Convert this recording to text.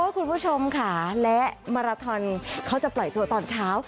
คุณผู้ชมค่ะและมาราทอนเขาจะปล่อยตัวตอนเช้า